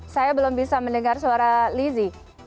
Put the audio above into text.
saya belum bisa mendengar suara lizzie